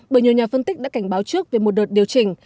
bởi nhiều nhà phân tích đã cảnh báo trước về một đợt điều chỉnh